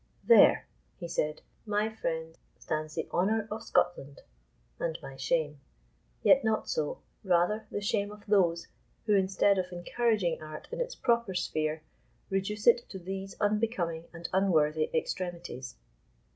"There," he said, "my friend, stands the honour of Scotland, and my shame; yet not so—rather the shame of those who, instead of encouraging art in its proper sphere, reduce it to these unbecoming and unworthy extremities."